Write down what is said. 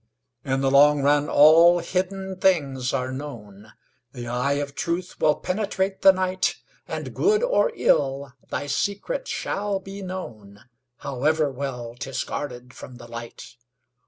In the long run all hidden things are known, The eye of truth will penetrate the night, And good or ill, thy secret shall be known, However well 'tis guarded from the light.